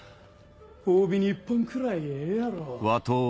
褒美に１本くらいええやろ。